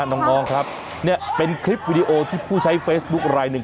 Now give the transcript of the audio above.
น้องครับเนี่ยเป็นคลิปวิดีโอที่ผู้ใช้เฟซบุ๊คลายหนึ่ง